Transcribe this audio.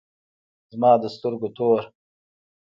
زما د سترگو تور